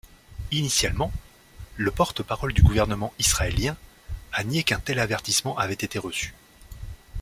Initialement, le porte-parole du gouvernement israélien, a nié qu'un tel avertissement avait été reçu.